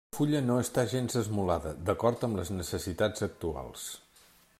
La fulla no està gens esmolada d'acord amb les necessitats actuals.